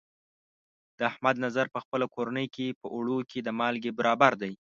د احمد نظر په خپله کورنۍ کې، په اوړو کې د مالګې برابر دی.